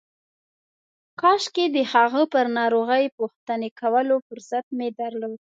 کاشکې د هغه پر ناروغۍ پوښتنې کولو فرصت مې درلود.